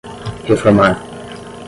reformar